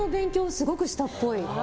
すごくしたっぽい。